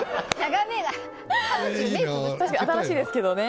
新しいですけどね。